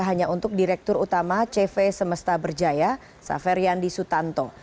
hanya untuk direktur utama cv semesta berjaya saferiandi sutanto